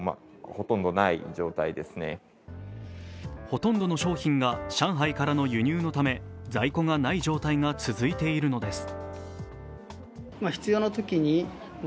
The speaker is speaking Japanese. ほとんどの商品が上海からの輸入のため在庫がない状態が続いているのです。